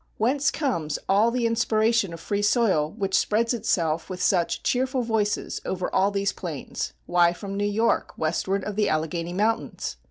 Whence comes all the inspiration of free soil which spreads itself with such cheerful voices over all these plains? Why, from New York westward of the Alleghany Mountains.